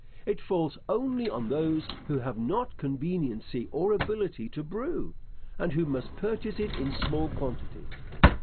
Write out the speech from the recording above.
It falls only on those who have not conveniency or ability to brew, and who must purchase it in small quantities.